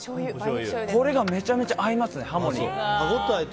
これがめちゃめちゃ合いますねハモに。